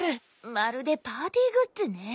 まるでパーティーグッズね。